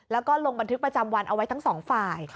แล้วก็ลงบันทึกประจำวันเอาไว้ทั้งสองฝ่าย